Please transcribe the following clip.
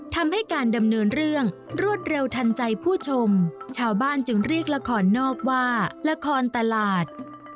ทำให้การดำเนินเรื่องรวดเร็วทันใจผู้ชมชาวบ้านจึงเรียกละครนอกว่าละครตลาด